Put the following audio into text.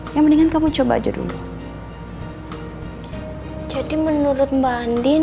yang mendingan kamu coba aja dulu jadi menurut mbak andin